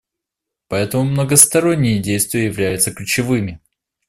Поэтому многосторонние действия являются ключевыми.